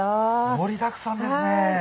盛りだくさんですね。